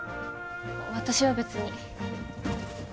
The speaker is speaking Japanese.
私は別に。